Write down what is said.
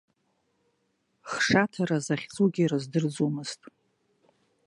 Хшаҭара захьӡугьы рыздырӡомызт.